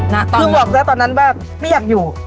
น่ะตอนนี้เพื่อบอกเราก็ตอนนั้นบ้างไม่อยากอยู่